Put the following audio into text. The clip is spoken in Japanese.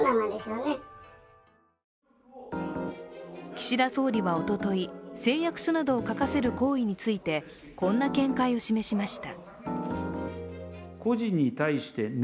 岸田総理はおととい、誓約書などを書かせる行為についてこんな見解を示しました。